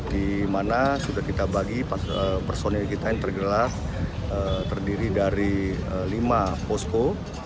di mana sudah kita bagi personil kita yang tergelar terdiri dari lima posko